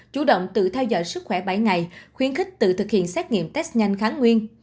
chủ động tự theo dõi sức khỏe bảy ngày khuyến khích tự thực hiện xét nghiệm test nhanh kháng nguyên